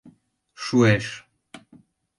Шуэш.